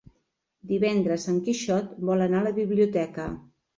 Divendres en Quixot vol anar a la biblioteca.